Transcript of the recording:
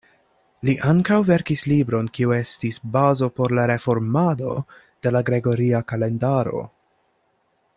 Li ankaŭ verkis libron kiu estis bazo por la reformado de la gregoria kalendaro.